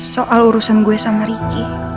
soal urusan gue sama ricky